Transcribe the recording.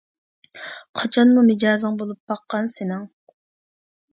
— قاچانمۇ مىجەزىڭ بولۇپ باققان سېنىڭ!